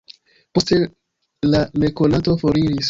Poste, la nekonato foriris.